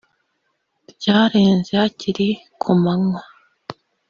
ryarenze hakiri ku manywa e